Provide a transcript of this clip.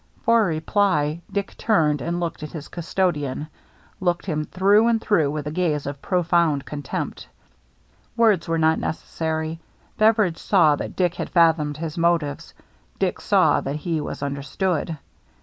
For reply, Dick turned and looked at his custodian, looked him through and through with a gaze of profound contempt. Words were not necessary ; Beveridge saw that Dick had fathomed his motives, Dick saw that he was understood.